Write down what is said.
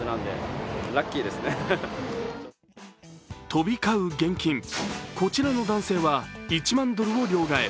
飛び交う現金、こちらの男性は１万ドルを両替。